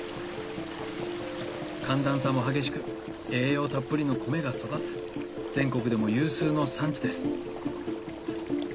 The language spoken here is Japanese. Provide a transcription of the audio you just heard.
寒暖差も激しく栄養たっぷりの米が育つ全国でも有数の産地です